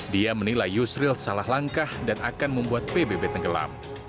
dia menilai yusril salah langkah dan akan membuat pbb tenggelam